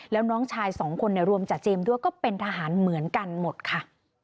แล้วน้องชายสองคนเนี่ยรวมจากเจมส์ด้วยก็เป็นทหารเหมือนกันหมดค่ะ